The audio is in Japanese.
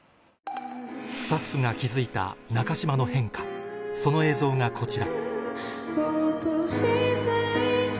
スタッフが気付いた中島の変化その映像がこちら